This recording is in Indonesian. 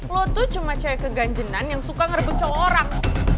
lo tuh cuma kayak keganjenan yang suka ngerebut sama orang